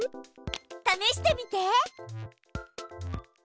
ためしてみて。